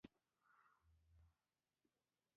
نجلۍ د محبت نه ډکه ده.